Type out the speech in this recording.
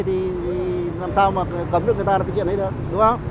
thì làm sao mà cấm được người ta